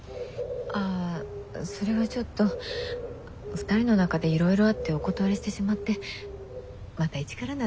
あそれがちょっと２人の中でいろいろあってお断りしてしまってまた一からなのよね。